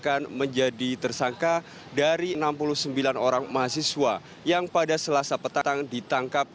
akan menjadi tersangka dari enam puluh sembilan orang mahasiswa yang pada selasa petang ditangkap